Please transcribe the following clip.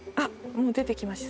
もう出てきました